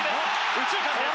右中間です。